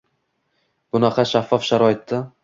Bunaqa – shaffof sharoitda